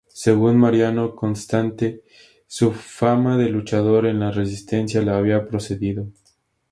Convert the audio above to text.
Según Mariano Constante, su fama de luchador en la resistencia le había precedido.